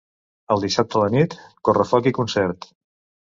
El dissabte a la nit, correfoc i concert.